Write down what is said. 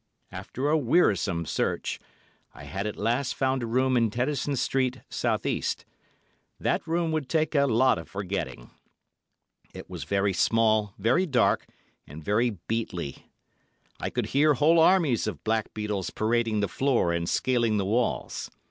After a wearisome search, I at last found a room in Tennyson Street, S.E. That room will take a lot of forgetting. It was very small, very dark, and very beetly. I could hear whole armies of blackbeetles parading the floor and scaling the walls.